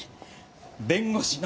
弁護士の。